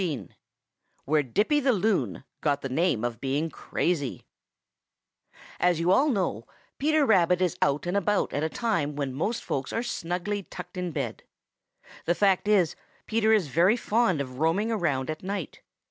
XV WHERE DIPPY THE LOON GOT THE NAME OF BEING CRAZY As you all know, Peter Rabbit is out and about at a time when most folks are snugly tucked in bed. The fact is, Peter is very fond of roaming around at night.